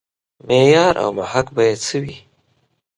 معیار او محک به یې څه وي.